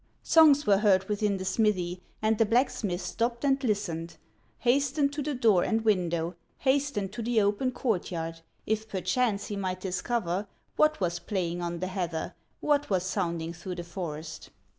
Songs were heard within the smithy, And the blacksmith stopped and listened, Hastened to the door and window, Hastened to the open court yard, If perchance he might discover What was playing on the heather, What was sounding through the forest.